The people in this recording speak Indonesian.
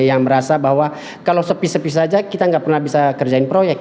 yang merasa bahwa kalau sepi sepi saja kita nggak pernah bisa kerjain proyek